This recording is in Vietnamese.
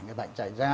người bệnh trải ra